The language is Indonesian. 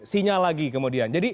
sinyal lagi kemudian